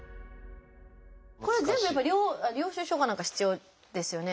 これ全部やっぱり領収書か何か必要ですよね？